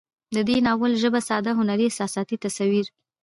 د دې ناول ژبه ساده، هنري، احساساتي، تصويري